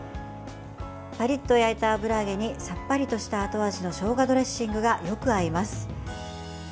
パリッと焼いた油揚げにさっぱりとした後味のしょうがドレッシングがよく合います。